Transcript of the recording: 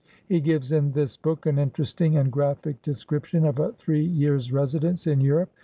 He gives in this book an interesting and graphic description of a three years' residence in Europe.